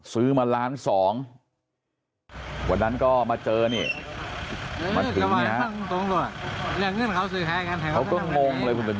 ซื้อมาร้าน๒